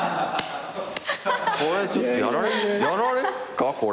これちょっとやられっか？みたいな。